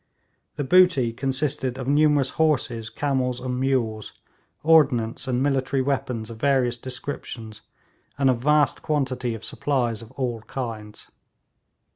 The booty consisted of numerous horses, camels and mules, ordnance and military weapons of various descriptions, and a vast quantity of supplies of all kinds.